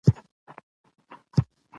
ځانونه وساتئ.